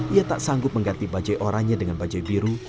ia tak sanggup mengganti bajai orangnya dengan bajai biru